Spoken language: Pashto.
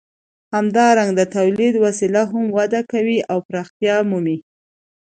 همدارنګه د تولید وسایل هم وده کوي او پراختیا مومي.